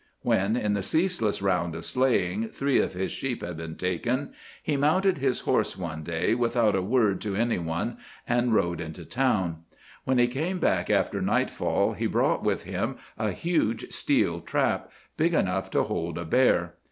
When, in the ceaseless round of slaying, three of his sheep had been taken, he mounted his horse one day without a word to any one, and rode into town. When he came back after nightfall, he brought with him a huge steel trap, big enough to hold a bear.